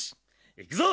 いくぞ！